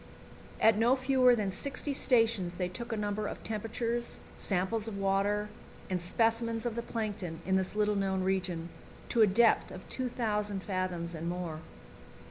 At no fewer than sixty stations they took a number of temperatures, samples of water, and specimens of the plankton in this little known region, to a depth of 2,000 fathoms and more.